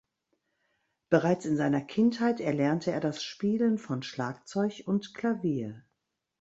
Bereits in seiner Kindheit erlernte er das Spielen von Schlagzeug und Klavier.